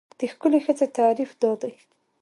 د ښکلې ښځې تعریف دا دی.